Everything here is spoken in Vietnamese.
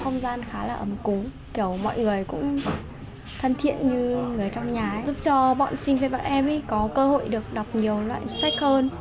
người cũng thân thiện như người trong nhà giúp cho bọn trinh với bạn em có cơ hội được đọc nhiều loại sách hơn